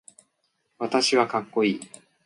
私はかっこいい